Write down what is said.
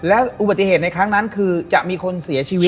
แล้วอุบัติเหตุในครั้งนั้นคือจะมีคนเสียชีวิต